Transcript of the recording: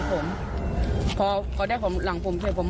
ผมบอกแล้วค่ะ